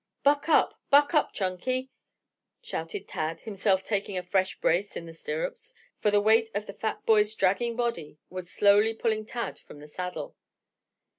"Buck up! Buck up, Chunky!" shouted Tad, himself taking a fresh brace in the stirrups, for the weight of the fat boy's dragging body was slowly pulling Tad from the saddle.